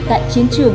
tại chiến trường